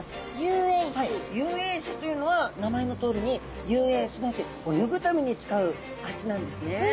遊泳肢というのは名前のとおりに遊泳すなわち泳ぐために使う脚なんですね。